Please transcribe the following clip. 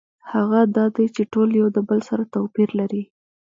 هغه دا دی چې ټول یو د بل سره توپیر لري.